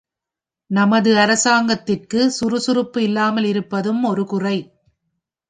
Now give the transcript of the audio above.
நமது அரசாங்கத்திற்கு சுறுசுறுப்பு இல்லாமல் இருப்பதும் ஒருகுறை.